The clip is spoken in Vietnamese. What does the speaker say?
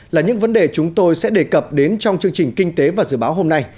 là những vấn đề chúng tôi sẽ đề cập đến trong chương trình kinh tế và dự báo hôm nay